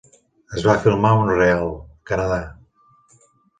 Es va filmar a Mont-real, Canadà.